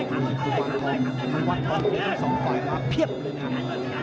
คุณวันทองคุณวันทองทั้ง๒ฝ่ายมาเพียบเลยนะครับ